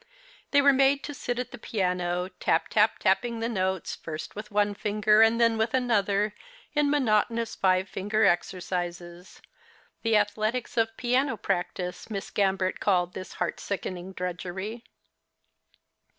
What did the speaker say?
They were made to sit at the piano, tap, tap, tapping the notes, lirst with one linger and then with another, in monotonous five finger exercises — the athletics of piano practice. Miss Gambert called this heart sickening drudgery.